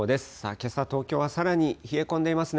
けさ、東京はさらに冷え込んでいますね。